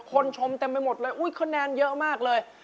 ชมเต็มไปหมดเลยอุ๊ยคะแนนเยอะมากเลย